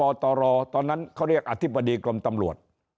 ตรตอนนั้นเขาเรียกอธิบดีกรมตำรวจ